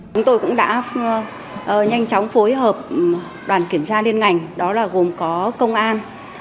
chúng tôi cũng đã nhanh chóng phối hợp đoàn kiểm tra liên ngành đó là gồm có công an